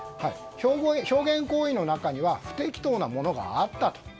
表現行為の中には不適当なものがあったと。